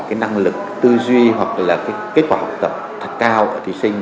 cái năng lực tư duy hoặc là cái kết quả học tập thật cao của thí sinh